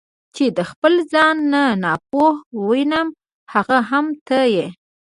چې د خپل ځان نه ناپوه وینم هغه هم ته یې.